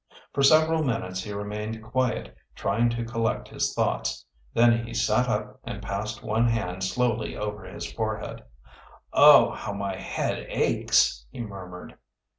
For several minutes he remained quiet, trying to collect his thoughts. Then he sat up and passed one hand slowly over his forehead. "Oh, how my heed aches!" he murmured.